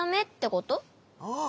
ああ。